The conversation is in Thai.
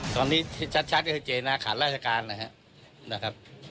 ตอนนี้ชัดที่เจนาขาดราชการนะครับ